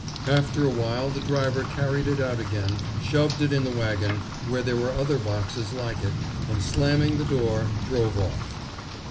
After a while the driver carried it out again, shoved it in the wagon, where there were other boxes like it, and, slamming the door, drove off.